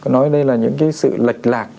nói đây là những cái sự lệch lạc